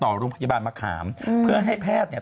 โรงพยาบาลมะขามเพื่อให้แพทย์เนี่ย